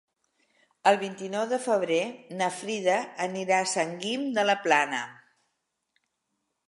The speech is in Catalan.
El vint-i-nou de febrer na Frida anirà a Sant Guim de la Plana.